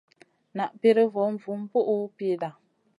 Na piri vo vun bùhʼu pida.